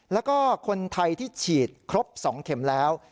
แล้วก็คนไทยที่ฉีดครบ๒เข็มแล้ว